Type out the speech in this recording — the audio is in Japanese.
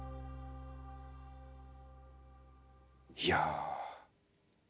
いや